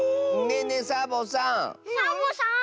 ねえねえサボさん。